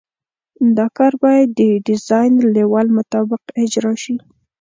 دا کار باید د ډیزاین لیول مطابق اجرا شي